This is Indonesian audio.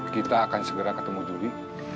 kita akan segera ketemu juli